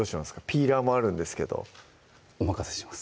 ピーラーもあるんですけどお任せします